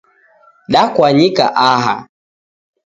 Dakwanyika aha